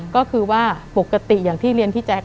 ก็คือว่าปกติอย่างที่เรียนพี่แจ๊ค